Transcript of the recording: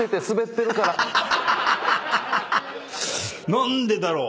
何でだろう？